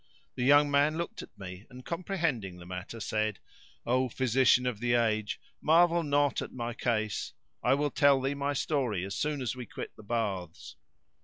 The young man looked at me and, comprehending the matter, said, "O Physician of the age, marvel not at my case; I will tell thee my story as soon as we quit the baths."